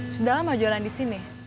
sudah lama jualan disini